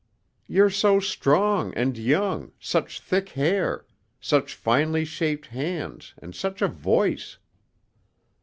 "You're so strong and young, such thick hair, such finely shaped hands and such a voice."